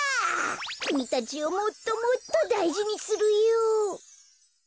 きみたちをもっともっとだいじにするよ。